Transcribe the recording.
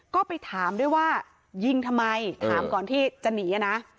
ก็ไปถามด้วยว่ายิงทำไมถามก่อนที่จะหนีนะ